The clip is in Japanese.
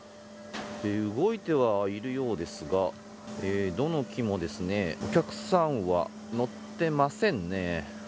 動いてはいるようですがどれもお客さんは乗っていませんね。